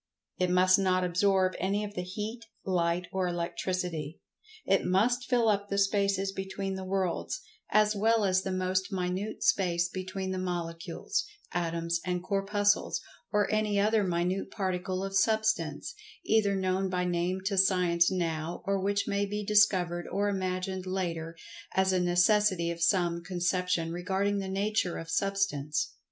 It must not absorb any of the Heat, Light or Electricity. It must fill up the spaces between the worlds, as well as the most minute space between the Molecules, Atoms and Corpuscles, or any other minute particle of Substance, either known by name to Science now or which may be discovered or imagined later as a necessity of some conception regarding the nature of Substance.